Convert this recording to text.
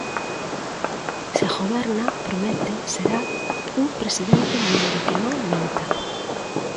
Se goberna, promete, será "un presidente humilde, que non minta".